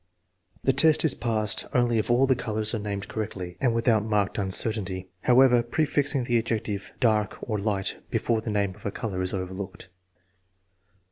The test is passed only if all the colors are named correctly and without marked uncertainty. However, prefixing the adjective " dark," or " light," before the name of a color is overlooked.